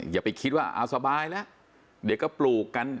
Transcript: อย่าไปคิดว่าเอาสบายแล้วเดี๋ยวก็ปลูกกัน